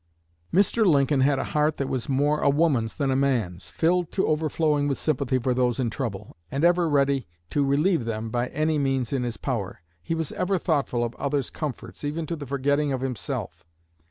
"Mr. Lincoln had a heart that was more a woman's than a man's filled to overflowing with sympathy for those in trouble, and ever ready to relieve them by any means in his power. He was ever thoughtful of others' comforts, even to the forgetting of himself.